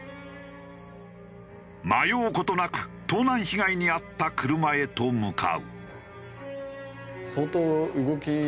迷う事なく盗難被害に遭った車へと向かう。